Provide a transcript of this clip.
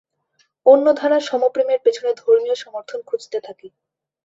অন্যধারা সমপ্রেমের পেছনে ধর্মীয় সমর্থন খুঁজতে থাকে।